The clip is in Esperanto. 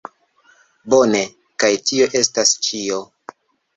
Bone, Kaj tio estas ĉio